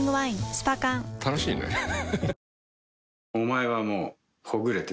スパ缶楽しいねハハハ